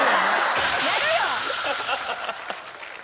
やるよ！